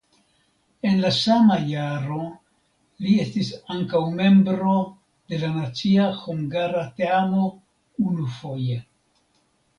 En la sama jaro li estis ankaŭ membro de la nacia hungara teamo unufoje.